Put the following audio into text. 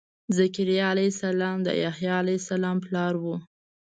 ذکریا علیه السلام د یحیا علیه السلام پلار و.